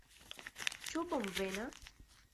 Ĉu bonvena?